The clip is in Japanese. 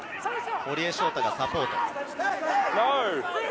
堀江翔太がサポート。